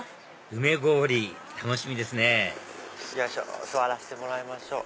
梅ごおり楽しみですね座らせてもらいましょう。